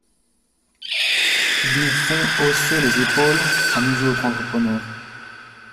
Ils nous font hausser les épaules, à nous autres entrepreneurs !…